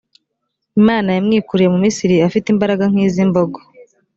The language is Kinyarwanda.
imana yamwikuriye mu misiri afite imbaraga nk’iz’imbogo.